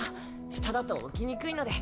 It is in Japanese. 下だと置きにくいので。